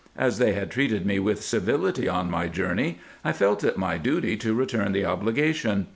As they had treated me with civility on my journey, I felt it my duty to return the obligation.